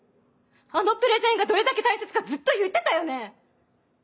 あのプレゼンがどれだけ大切かずっと言ってたよね！